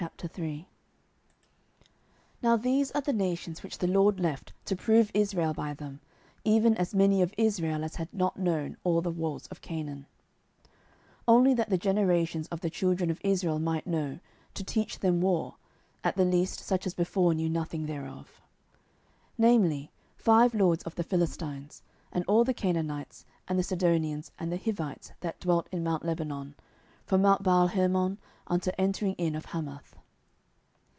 07:003:001 Now these are the nations which the LORD left, to prove Israel by them, even as many of Israel as had not known all the wars of Canaan; 07:003:002 Only that the generations of the children of Israel might know, to teach them war, at the least such as before knew nothing thereof; 07:003:003 Namely, five lords of the Philistines, and all the Canaanites, and the Sidonians, and the Hivites that dwelt in mount Lebanon, from mount Baalhermon unto the entering in of Hamath.